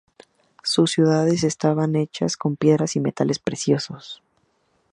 Sus ciudades estaban hechas con piedras y metales preciosos.